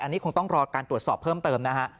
อันนี้คงต้องรอการตรวจสอบเพิ่มเติมนะฮะ